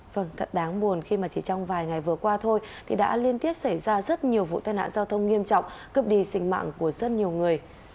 vâng thật đáng buồn khi mà chỉ trong vài ngày vừa qua thôi thì đã liên tiếp xảy ra rất nhiều vụ tai nạn giao thông nghiêm trọng cướp đi sinh mạng của rất nhiều người